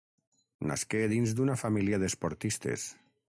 Nasqué dins d'una família d'esportistes.